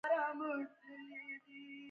نیغ به اردن ته ورشم.